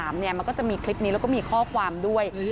มันก็จะมีคลิปนี้แล้วก็มีข้อความด้วย